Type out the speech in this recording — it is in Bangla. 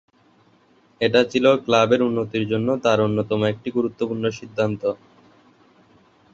এটি ছিল ক্লাবের উন্নতির জন্য তার অন্যতম একটি গুরুত্বপূর্ণ সিদ্ধান্ত।